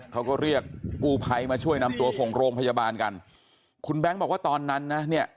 เขาก็เรียกกู้ภัยมาช่วยนำตัวส่งโรงพยาบาลกันคุณแบงค์บอกว่าตอนนั้นนะเนี่ย